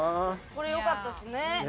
これ良かったですね。